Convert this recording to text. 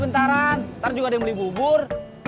tadi beli bubur